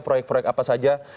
proyek proyek apa saja